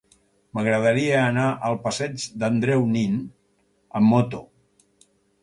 M'agradaria anar al passeig d'Andreu Nin amb moto.